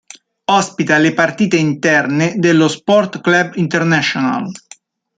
Ospita le partite interne dello Sport Club Internacional.